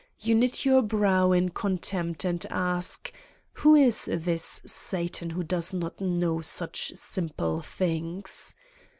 You knit your brow in contempt and ask : Who is this Satan who does not know such simple things?